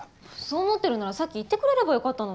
そう思ってるならさっき言ってくれればよかったのに。